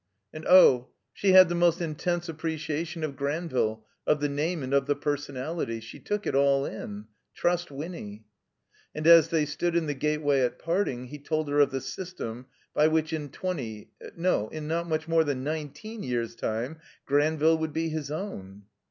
And oh ! she had the most intense appreciation of Granville, of the name and of the personality. She took it all in. Trust Winny. And as they stood in the gateway at parting, he told her of the system by which in twenty, no, in not much more than nineteen years' time Qranville wotild be his own.